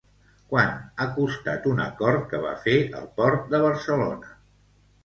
Quant ha costat un acord que va fer el Port de Barcelona?